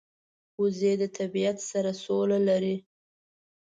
وزې د طبیعت سره سوله لري